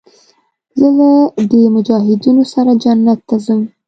زه له دې مجاهدينو سره جنت ته ځم.